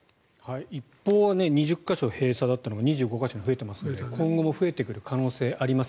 一報は２０か所閉鎖だったのが２５か所に増えていますので今後も増えてくる可能性があります。